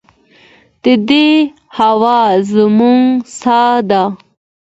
د دې هوا زموږ ساه ده